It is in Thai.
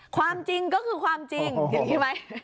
ความจริงก็คือความจริงอย่างนี้ไหม